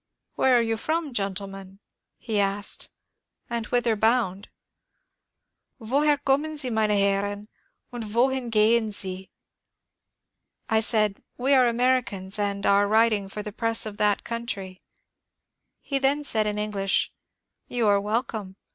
" Where are you from, gentlemen," he asked, ^' and whither bound ?"( Woher kommen Sie, meine Herren, und wohin gehen Sie ?) I said, We are Americans, and are writing for the press of that country." He then said in English, " You are welcome.